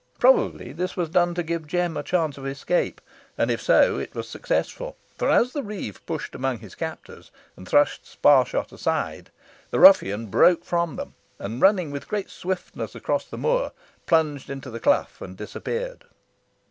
Probably this was done to give Jem a chance of escape, and if so, it was successful, for as the reeve pushed among his captors, and thrust Sparshot aside, the ruffian broke from them; and running with great swiftness across the moor, plunged into the clough, and disappeared.